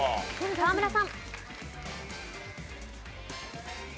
沢村さん。